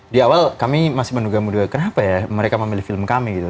di awal kami masih menduga menduga kenapa ya mereka memilih film kami gitu